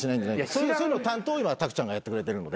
そういうの担当を今卓ちゃんがやってくれてるので。